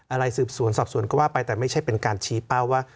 อะไรสืบสวนสอบสวนก็ว่าไปแต่ไม่ใช่เป็นการชี้เป้าว่า